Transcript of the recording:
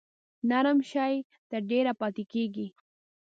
نرم شی تر ډیره پاتې کیږي.